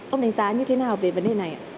ông đánh giá như thế nào về vấn đề này ạ